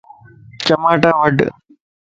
چماٽا وڍ